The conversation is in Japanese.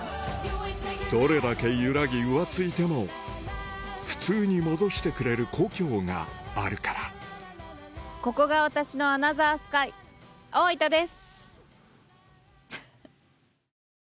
どれだけ揺らぎ浮ついても普通に戻してくれる故郷があるからここが私のアナザースカイ大分です！